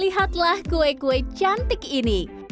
lihatlah kue kue cantik ini